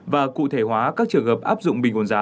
và cụ thể hóa các trường hợp áp dụng bình ổn giá